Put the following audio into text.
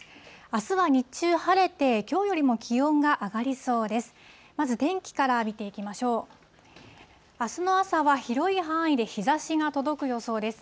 あすは日中、晴れて、きょうよりも気温が上がりそうです。